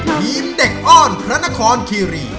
ทีมเด็กอ้อนพระนครคีรี